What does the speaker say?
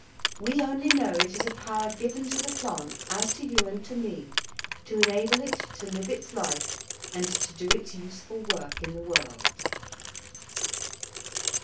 We only know it is a power given to the plant, as to you and to me, to enable it to live its life, and to do its useful work in the world.